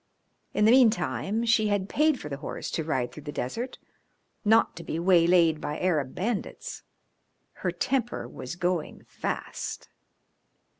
In the meantime she had paid for the horse to ride through the desert, not to be waylaid by Arab bandits. Her temper was going fast.